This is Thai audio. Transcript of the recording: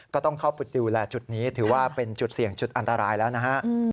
ก็ต้องเข้าปิดดูแลจุดนี้ถือว่าเป็นจุดเสี่ยงจุดอันตรายแล้วนะฮะ